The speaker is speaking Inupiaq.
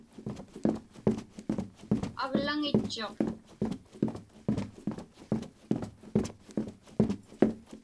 Aglaŋitchuq.